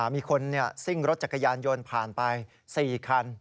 มีคนซิ่งรถจักรยานยนต์ผ่านไป๔คัน